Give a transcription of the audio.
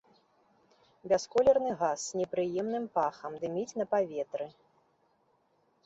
Бясколерны газ з непрыемным пахам, дыміць на паветры.